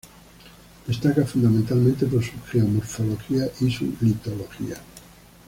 Destaca fundamentalmente por su geomorfología y su litología.